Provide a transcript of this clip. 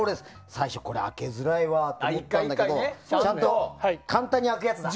最初、これ開けづらいわと思ったんだけどちゃんと簡単に開くやつだ。